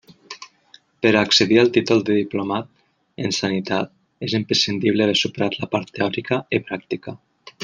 Per a accedir al títol de diplomat en Sanitat és imprescindible haver superat la part teòrica i pràctica.